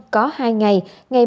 có hai ngày ngày bốn và ngày năm